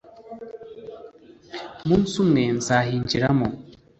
Umunsi umwe nzahinjiramo